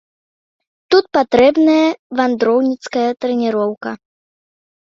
Тут патрэбная вандроўніцкая трэніроўка.